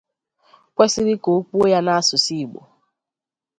kwesiri ka o kwuo ya n'asụsụ Igbo